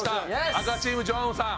赤チームジョンウさん。